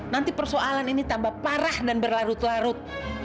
nanti persoalan ini tambah parah dan berlarut larut